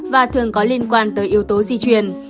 và thường có liên quan tới yếu tố di truyền